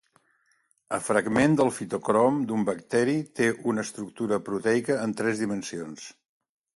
A fragment del fitocrom d'un bacteri té una estructura proteica en tres dimensions.